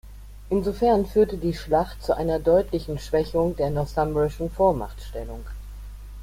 Insofern führte die Schlacht zu einer deutlichen Schwächung der northumbrischen Vormachtstellung.